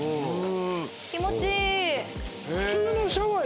気持ちいい。